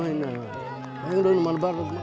hal ini bukanlah jalan yang lain